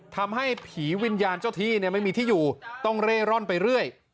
ทำให้ผีวิญญาณเจ้าที่ไม่มีที่อยู่ต้องเร่ร่อนไปเรื่อย